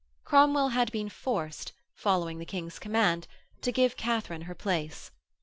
Cromwell had been forced, following the King's command, to give Katharine her place.